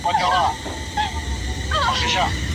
ميرويس خان نيکه څنګه د عدالت تګلاره پلي کوله؟